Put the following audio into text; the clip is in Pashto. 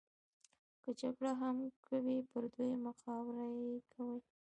که جګړه هم کوي پر دویمه خاوره یې کوي.